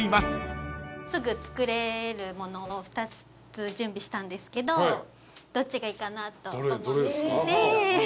すぐ作れるものを２つ準備したんですけどどっちがいいかなと思って。